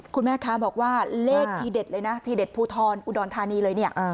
แม่ค้าบอกว่าเลขทีเด็ดเลยนะทีเด็ดภูทรอุดรธานีเลยเนี่ย